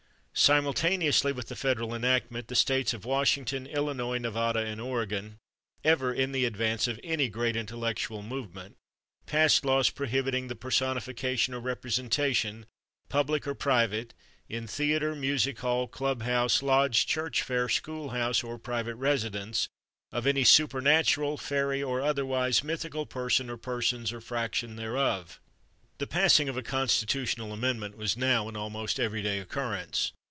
Simultaneously with the federal enactment, the states of Washington, Illinois, Nevada, and Oregon, ever in the advance of any great intellectual movement, passed laws prohibiting "_the personification or representation, public or private, in theatre, music hall, club house, lodge, church fair, schoolhouse, or private residence, of any supernatural, fairy, or otherwise mythical person or persons or fraction thereof_." The passing of a Constitutional Amendment was now an almost every day occurrence.